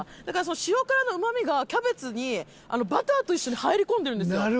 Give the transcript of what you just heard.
だからその塩辛のうまみがキャベツにバターと一緒に入り込んでるんですよ。